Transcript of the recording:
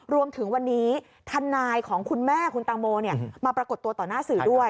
รวมถึงวันนี้ทนายของคุณแม่คุณตังโมมาปรากฏตัวต่อหน้าสื่อด้วย